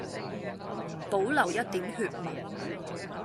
保留一點血脈